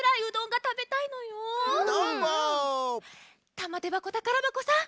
たまてばこたからばこさん